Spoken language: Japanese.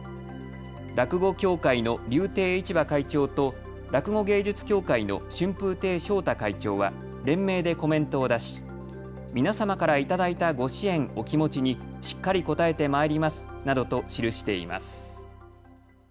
落語協会の柳亭市馬会長と落語芸術協会の春風亭昇太会長は連名でコメントを出し、皆様から頂いたご支援、お気持ちにしっかり応えてまいりますなどと記しています。